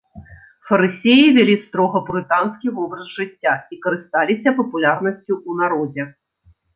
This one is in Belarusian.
Фарысеі вялі строга пурытанскі вобраз жыцця і карысталіся папулярнасцю ў народзе.